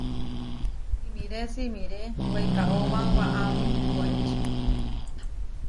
Simiré simiré weikaóba waʼámi poéči.